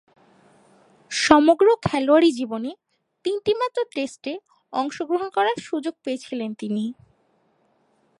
সমগ্র খেলোয়াড়ী জীবনে তিনটিমাত্র টেস্টে অংশগ্রহণ করার সুযোগ পেয়েছিলেন তিনি।